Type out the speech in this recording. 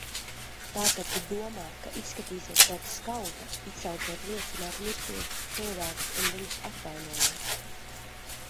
Tātad tu domā, ka izskatīsies pēc skauta, izsaucot liecināt mirstošus cilvēkus un viņus apvainojot?